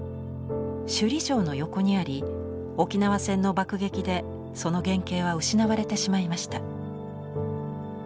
首里城の横にあり沖縄戦の爆撃でその原形は失われてしまいました。